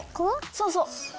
そうそう。